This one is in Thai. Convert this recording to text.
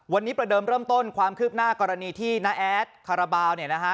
วันนี้ประเดิมเริ่มต้นความคืบหน้ากรณีที่น้าแอดคาราบาลเนี่ยนะฮะ